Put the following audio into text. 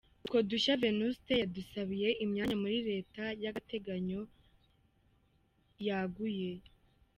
Utwo dushyaka Venuste yadusabiye imyanya muri Leta y’Agateganyo yaguye.